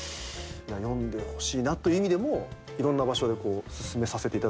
読んでほしいなという意味でもいろんな場所で薦めさせていただいてたし。